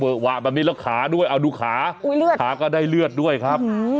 หวะแบบนี้แล้วขาด้วยเอาดูขาขาก็ได้เลือดด้วยครับ